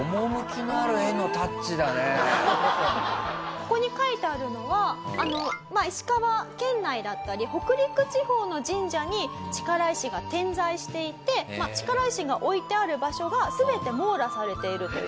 ここに書いてあるのは石川県内だったり北陸地方の神社に力石が点在していて力石が置いてある場所が全て網羅されているという。